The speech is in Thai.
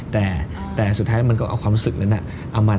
แต่สุดท้ายมันก็เอาความรู้สึกนั้นเอามา